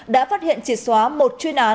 đã phát hiện triệt xóa một chuyên án